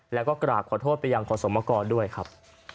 แล้วก็กราบขอโทษไปยังขอสมกรด้วยครับ